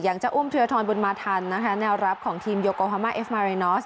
อย่างจะอุ้มเทือทรวนบุญมาทันแนวรับของทีมโยโกฮามาเอฟมารินอส